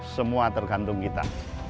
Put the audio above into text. semua tergantung kita